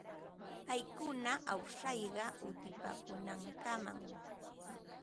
Paykuna awsashqa utipaakuunankamam.